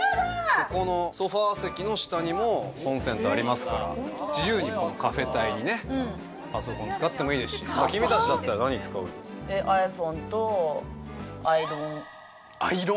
ここのソファー席の下にもコンセントありますから自由にこのカフェタイにねパソコン使ってもいいですしうんうんえっ！？